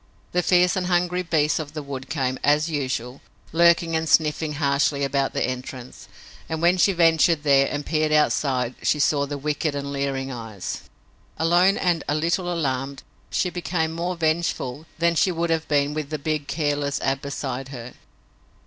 The fierce and hungry beasts of the wood came, as usual, lurking and sniffing harshly about the entrance, and when she ventured there and peered outside she saw the wicked and leering eyes. Alone and a little alarmed, she became more vengeful than she would have been with the big, careless Ab beside her.